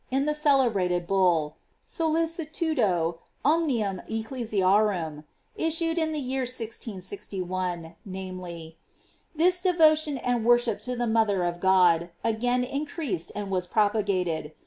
in the celebrated bull, "Sollicitudo omnium ecclesiarum," issued in the year 1661, namely: "This devotion and worship to the mother of God again increased and was propagated